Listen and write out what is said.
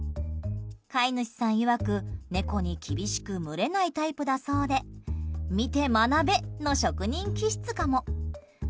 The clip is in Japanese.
飼い主さんいわく、猫に厳しく群れないタイプだそうで見て学べの職人気質かも。